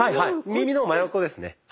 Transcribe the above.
耳の真横ですね。